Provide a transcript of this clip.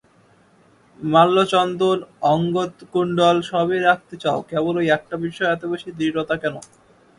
মাল্যচন্দন অঙ্গদকুণ্ডল সবই রাখতে চাও, কেবল ঐ একটা বিষয়ে এত বেশি দৃঢ়তা কেন?